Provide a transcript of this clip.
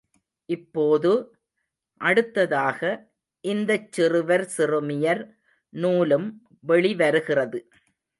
இப்போது, அடுத்ததாக, இந்தச் சிறுவர் சிறுமியர் நூலும் வெளிவருகிறது.